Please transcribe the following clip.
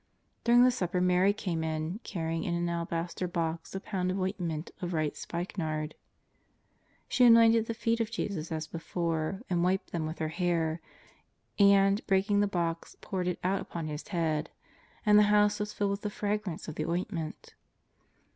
During the supper Mary came in carrying in an alabaster box a pound of ointment of right spikenard. She anointed the feet of Jesus as before and wiped them with her hair, and, breaking the box, poured it out upon His head, and the house was filled vtdth the fragrance of the ointment.